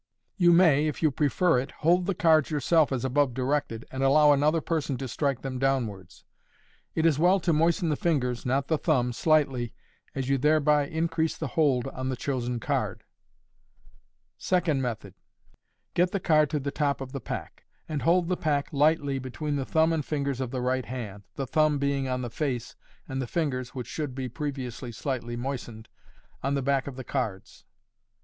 You may, if you prefer it, hold the cards yourself as above directed. MODERN MAGIC. 45 Fig. 29. and allow another person to strike them downwards. It is well to moisten the fingers (not the thumb) slightly, as you thereby increase the hold on the chosen card. Second Method. — Get the card to the top of the pack, and hold the pack lightly between the thumb and fingers of the right hand, the thumb being on the face, and the fingers (which should be previously slightly moistened) on the back of the cards. (See Fig.